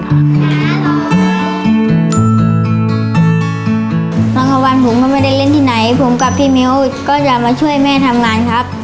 บางวันผมก็ไม่ได้เล่นที่ไหนผมกับพี่มิ้วก็จะมาช่วยแม่ทำงานครับ